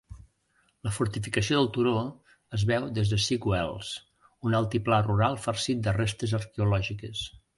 La fortificació del turó es veu des de Sigwells, un altiplà rural farcit de restes arqueològiques.